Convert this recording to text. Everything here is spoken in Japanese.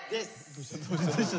どうした？